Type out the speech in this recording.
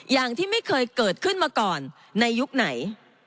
อย่างที่ไม่เคยเกิดขึ้นมาก่อนในยุคไหน